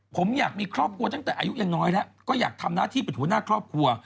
ผมอยากมีครอบครัวตั้งแต่อายุยังน้อยแล้วก็อยากทำหน้าที่เป็นหัวหน้าครอบครัว